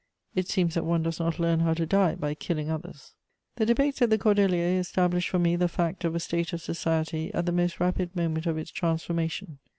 It seems that one does not learn how to die by killing others. The debates at the Cordeliers established for me the fact of a state of society at the most rapid moment of its transformation.